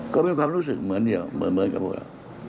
ก็มีความรู้สึกเหมือนเดียวเหมือนกับพวกเรา